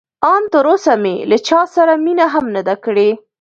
ان تراوسه مې له چا سره مینه هم نه ده کړې.